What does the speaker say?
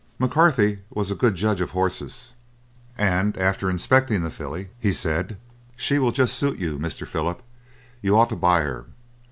McCarthy was a good judge of horses, and after inspecting the filly, he said: "She will just suit you, Mr. Philip, you ought to buy her."